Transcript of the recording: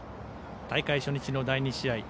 大会初日の第２試合。